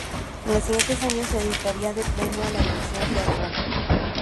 En los siguientes años, se dedicaría de pleno a la dirección teatral.